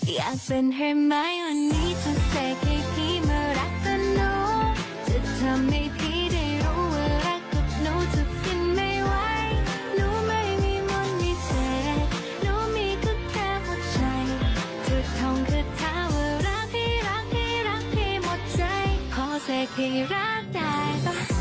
รักใครรักใครเจ็มจิรักใครเจ็มจิเป็นไงหลงไปเลย